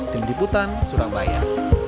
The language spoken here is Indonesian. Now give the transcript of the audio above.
tim diputan surabaya